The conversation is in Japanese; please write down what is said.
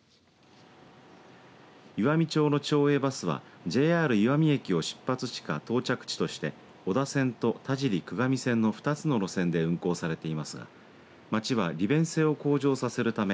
岩美町の町営バスはＪＲ岩美駅を出発地か到着地として小田線と田後・陸上線の２つの路線で運行されていますが町は利便性を向上させるため